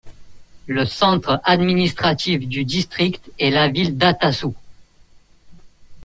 Le centre administratif du district est la ville d'Atassou.